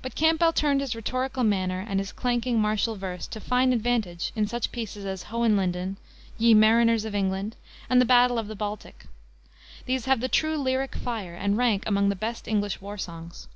But Campbell turned his rhetorical manner and his clanking, martial verse to fine advantage in such pieces as Hohenlinden, Ye Mariners of England, and the Battle of the Baltic. These have the true lyric fire, and rank among the best English war songs.